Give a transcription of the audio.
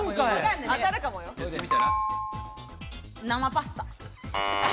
生パスタ。